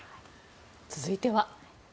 続いては。